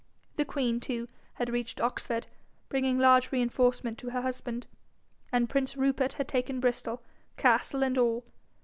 The queen, too, had reached Oxford, bringing large reinforcement to her husband, and prince Rupert had taken Bristol, castle and all.